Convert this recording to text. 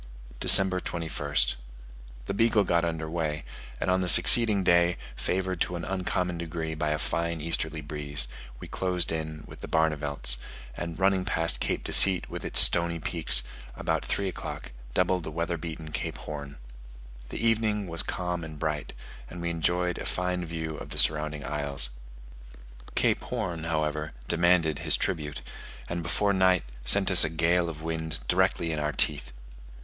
December 21st. The Beagle got under way: and on the succeeding day, favoured to an uncommon degree by a fine easterly breeze, we closed in with the Barnevelts, and running past Cape Deceit with its stony peaks, about three o'clock doubled the weather beaten Cape Horn. The evening was calm and bright, and we enjoyed a fine view of the surrounding isles. Cape Horn, however, demanded his tribute, and before night sent us a gale of wind directly in our teeth.